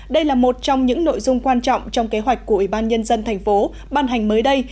đây là một trong những nội dung quan trọng trong kế hoạch của ủy ban nhân dân thành phố ban hành mới đây